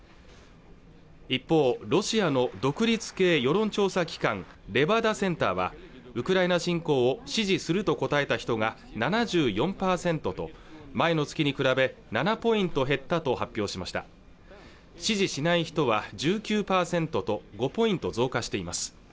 一方ロシアの独立系世論調査機関レバダセンターはウクライナ侵攻を支持すると答えた人が７４％と前の月に比べ７ポイント減ったと発表しました支持しない人は１９％と５ポイント増加しています